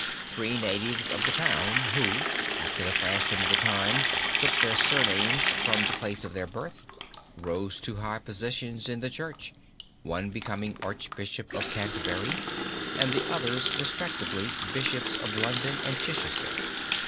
Three natives of the town, who, after the fashion of the time, took their surnames from the place of their birth, rose to high positions in the Church, one becoming Archbishop of Canterbury, and the others respectively Bishops of London and Chichester.